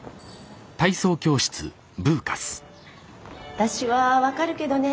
私は分かるけどね